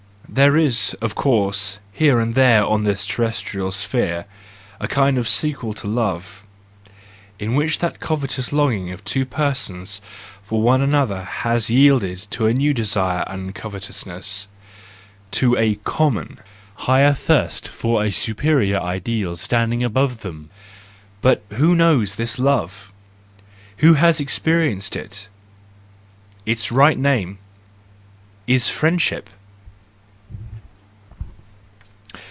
—There is, of course, here and there on this terrestrial sphere a kind of sequel to love, in which that covetous longing of two persons for one another has yielded to a new desire and covetousness, to a common , higher thirst for a superior ideal standing above them : but who knows this love? Who has experienced it? Its right name is friendship